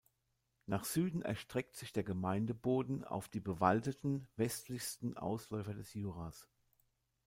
Nach Süden erstreckt sich der Gemeindeboden auf die bewaldeten westlichsten Ausläufer des Juras.